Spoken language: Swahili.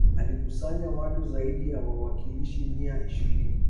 Alikusanya watu zaidi ya wawakilishi mia ishirini